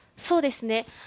そうですね。